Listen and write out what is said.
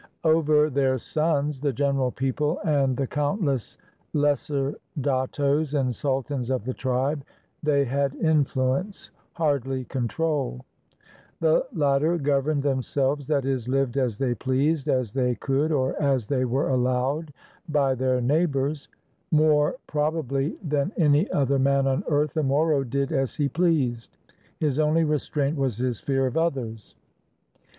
Over their "sons" — the general people and the countless lesser dattos and sultans of the tribe — they had influence, hardly control. The latter governed themselves, that is, lived as they pleased, as they could, or as they were allowed by their neighbors. More, probably, than any other man on earth the Moro did as he pleased; his only restraint was his fear of others.